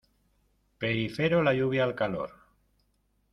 Perifero la lluvia al calor.